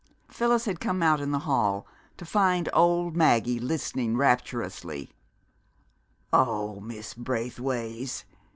Phyllis had come out in the hall to find old Maggie listening rapturously. "Oh, Miss Braithways!"